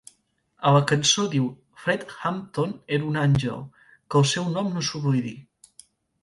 A la cançó diu "Fred Hampton era un àngel, que el seu nom no s'oblidi".